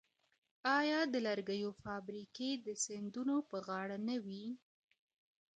آیا د لرګیو فابریکې د سیندونو په غاړه نه وې؟